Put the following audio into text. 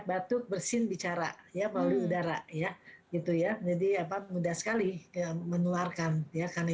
batuk bersin bicara ya melalui udara ya gitu ya jadi apa mudah sekali menularkan ya karena